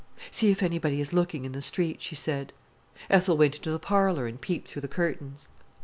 "See if anybody is looking in the street," she said. Ethel went into the parlour and peeped through the curtains.